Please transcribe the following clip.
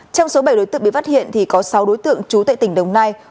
trong số bảy đối tượng bị phát hiện thì có sáu đối tượng trú tại tỉnh đồng nai